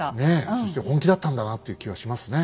そして本気だったんだなっていう気はしますね。